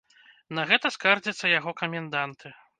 На гэта скардзяцца яго каменданты.